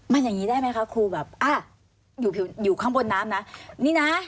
มันอย่างนี้ได้ไหมคะครูแบบอ่ะอยู่อยู่ข้างบนน้ำนะนี่นะ